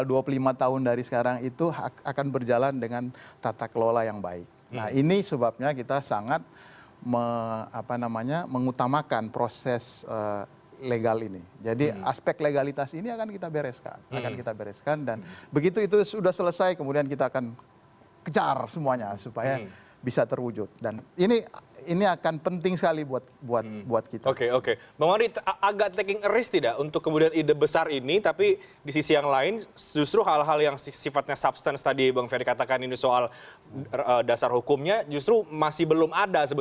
dan di sisi yang lain justru hal hal yang sifatnya substance tadi bang ferry katakan ini soal dasar hukumnya justru masih belum ada